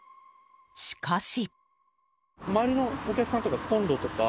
しかし。